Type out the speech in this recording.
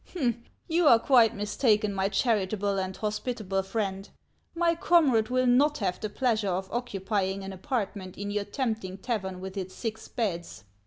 " You are quite mistaken, my charitable and hospitable friend. My comrade will not have the pleasure of occu pying an apartment in your tempting tavern with its six beds.